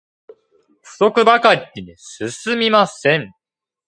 不足ばっかりで進みません